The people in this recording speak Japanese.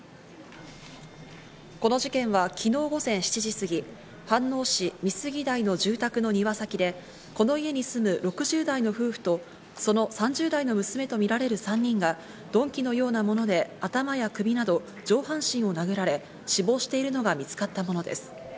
この事件は昨日午前７時すぎ、飯能市美杉台の住宅の庭先で、この家に住む６０代の夫婦とその３０代の娘とみられる３人が鈍器のようなもので頭や首など、上半身を殴られ、死亡しているのが見つかったものです。